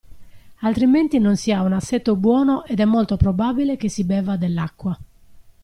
Altrimenti non si ha un assetto buono ed è molto probabile che si beva dell'acqua.